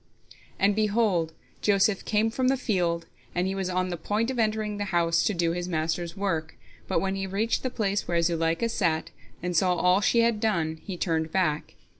And, behold, Joseph came from the field, and he was on the point of entering the house to do his master's work, but when he reached the place where Zuleika sat, and saw all she had done, he turned back.